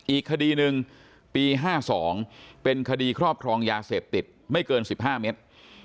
อีกคดีหนึ่งปี๕๒เป็นคดีครอบครองยาเสพติดไม่เกิน๑๕เมตร